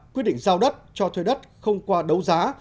quyết định giao đất cho thuê đất không qua đấu giá